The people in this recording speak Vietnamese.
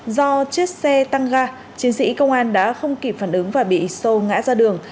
do chiếc xe tăng ga chiến sĩ công an đã không kịp phản ứng và bị xô ngã ra đường